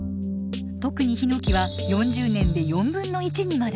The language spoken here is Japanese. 特にヒノキは４０年で４分の１にまで。